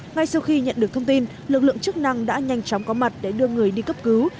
ngay sau khi nhận được thông tin lực lượng chức năng đã nhanh chóng có mặt để đưa người đi cấp cứu